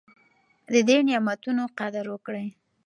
د دې نعمتونو قدر وکړئ.